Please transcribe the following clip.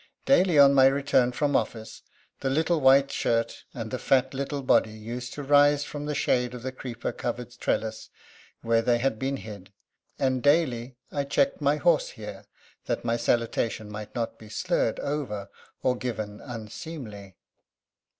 Daily on my return from office, the little white shirt and the fat little body used to rise from the shade of the creeper covered trellis where they had been hid; and daily I checked my horse here, that my salutation might not be slurred over or given unseemly.